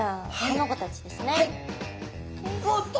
おっと！